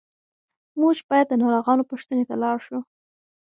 موږ باید د ناروغانو پوښتنې ته لاړ شو.